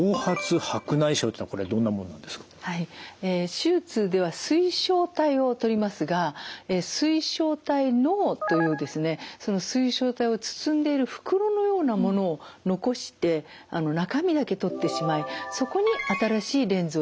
手術では水晶体を取りますが水晶体嚢というですね水晶体を包んでいる袋のようなものを残して中身だけ取ってしまいそこに新しいレンズを入れていきます。